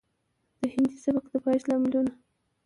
د هندي سبک د پايښت لاملونه